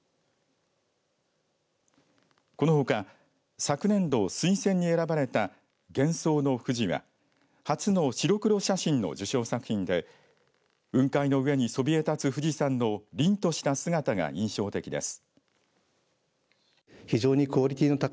このほか、昨年度推薦に選ばれた幻想の富士は初の白黒写真の受賞作品で雲海の上にそびえ立つ富士山のりんとした姿が印象的です。